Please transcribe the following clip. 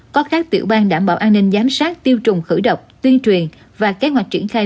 có khác tiểu bang đảm bảo an ninh giám sát tiêu trùng khử độc tuyên truyền và kế hoạch triển khai